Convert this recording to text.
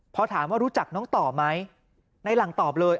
พอถามว่ารู้จักน้องต่อไหมในหลังตอบเลย